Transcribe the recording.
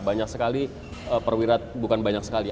banyak sekali perwira bukan banyak sekali